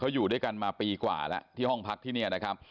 อยู่ด้วยกันมาปีกว่าแล้วที่ห้องพักที่นี่นะครับ